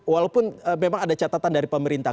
walaupun memang ada catatan dari pemerintah